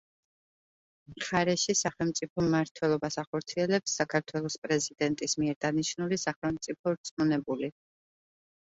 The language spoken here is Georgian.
მხარეში სახელმწიფო მმართველობას ახორციელებს საქართველოს პრეზიდენტის მიერ დანიშნული სახელმწიფო რწმუნებული.